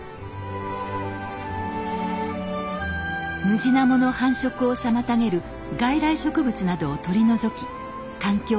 ムジナモの繁殖を妨げる外来植物などを取り除き環境を守ってきました。